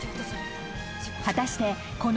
［果たしてこの］